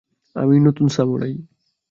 আমিই নতুন সামুরাই!